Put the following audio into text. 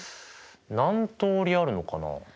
何通りあるのかな。